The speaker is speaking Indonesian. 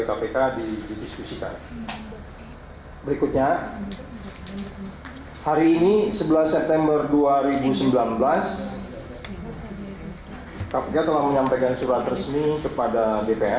kpk telah menyampaikan surat resmi kepada dpr